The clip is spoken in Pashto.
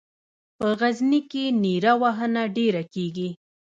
په غزني کې نیره وهنه ډېره کیږي.